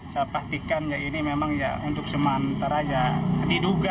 saya perhatikan ini memang untuk sementara diduga